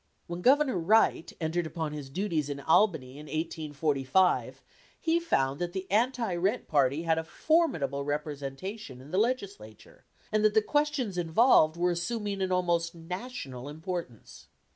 When Governor Wright entered upon his duties in Albany in 1845, he found that the anti rent party had a formidable representation in the legislature, and that the questions involved were assuming an almost national importance."